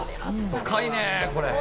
深いね、これ。